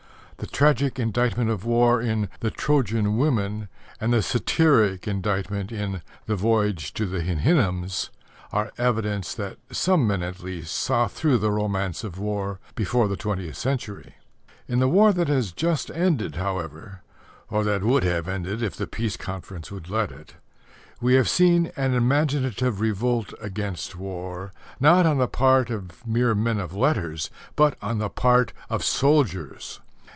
The tragic indictment of war in The Trojan Women and the satiric indictment in The Voyage to the Houyhnhnms are evidence that some men at least saw through the romance of war before the twentieth century. In the war that has just ended, however or that would have ended if the Peace Conference would let it we have seen an imaginative revolt against war, not on the part of mere men of letters, but on the part of soldiers.